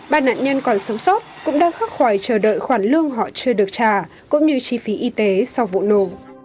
ba nạn nhân còn sống sót cũng đang khắc khoải chờ đợi khoản lương họ chưa được trả cũng như chi phí y tế sau vụ nổ